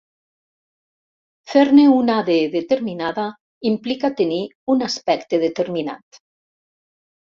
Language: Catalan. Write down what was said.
Fer-ne una de determinada implica tenir un aspecte determinat.